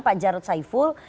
pak jarud saiful